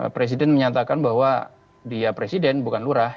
presiden menyatakan bahwa dia presiden bukan lurah